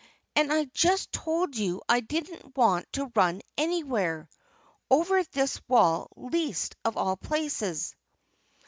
And I just told you I didn't want to run anywhere over this wall least of all places!"